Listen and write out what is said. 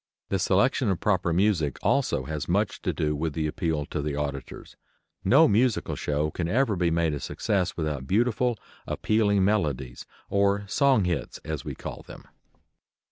The selection of proper music also has much to do with the appeal to the auditors. No musical show can ever be made a success without beautiful, appealing melodies, or "song hits," as we call them.